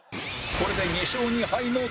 これで２勝２敗のタイ